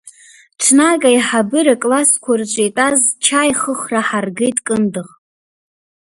Ҽнак аиҳабыра классқәа рҿы итәаз чаихыхра ҳаргеит Кындӷ.